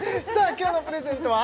今日のプレゼントは？